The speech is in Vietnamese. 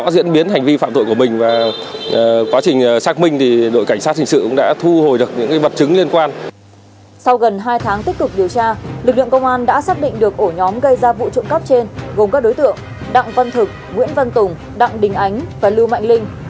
gồm các đối tượng đặng văn thực nguyễn văn tùng đặng đình ánh và lưu mạnh linh